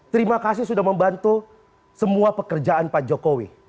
terima kasih sudah membantu semua pekerjaan pak jokowi